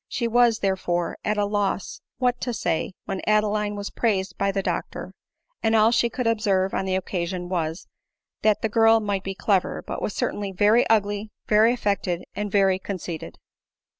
She was, therefore, at a loss what to say when 10* HO ADELINE MOWBRAY. Adeline was praised by the doctor ; and all she could observe on the occasion was, that the girl might be clever, but was certainly very ugly, very affected, and very con ceited.